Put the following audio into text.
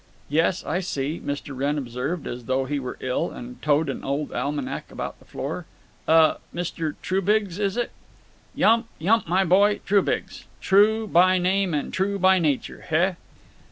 "Yes, I see," Mr. Wrenn observed, as though he were ill, and toed an old almanac about the floor. "Uh—Mr.—Trubiggs, is it?" "Yump. Yump, my boy. Trubiggs. Tru by name and true by nature. Heh?"